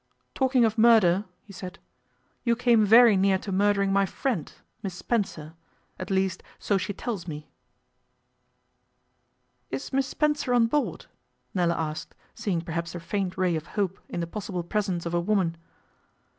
'Talking of murder,' he said, 'you came very near to murdering my friend, Miss Spencer. At least, so she tells me.' 'Is Miss Spencer on board?' Nella asked, seeing perhaps a faint ray of hope in the possible presence of a woman.